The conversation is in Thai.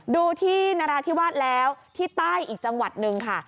ดูที่นราธิวาสแล้วที่ใต้อีกจังหวัดหนึ่งค่ะ